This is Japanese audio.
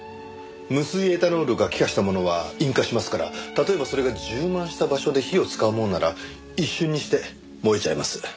無水エタノールが気化したものは引火しますから例えばそれが充満した場所で火を使おうものなら一瞬にして燃えちゃいます。